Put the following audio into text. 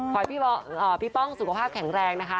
ขอให้พี่ป้องสุขภาพแข็งแรงนะคะ